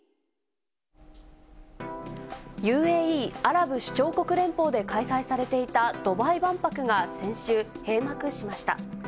ＵＡＥ・アラブ首長国連邦で開催されていたドバイ万博が先週、閉幕しました。